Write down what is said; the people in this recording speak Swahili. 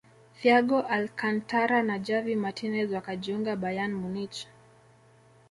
thiago alcantara na javi martinez wakajiunga bayern munich